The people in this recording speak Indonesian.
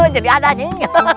jadi ada nyai